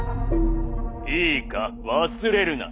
「いいか忘れるな。